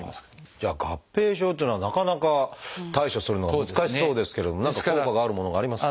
じゃあ合併症っていうのはなかなか対処するのが難しそうですけれども何か効果があるものがありますか？